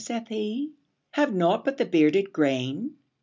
'' saith he; ``Have nought but the bearded grain?